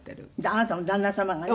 あなたの旦那様がね。